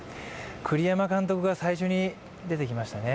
栗山監督が最初に出てきましたね。